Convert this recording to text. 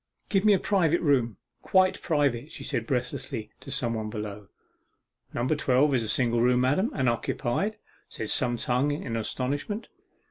'Give me a private room quite private,' she said breathlessly to some one below. 'Number twelve is a single room, madam, and unoccupied,' said some tongue in astonishment.